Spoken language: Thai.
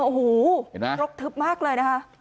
โอ้โหลบทึบมากเลยนะฮะ